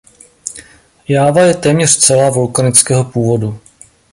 Jáva je téměř celá vulkanického původu.